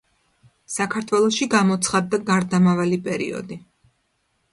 საქართველოში გამოცხადდა გარდამავალი პერიოდი.